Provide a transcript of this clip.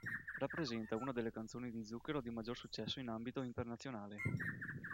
Rappresenta una delle canzoni di Zucchero di maggior successo in ambito internazionale.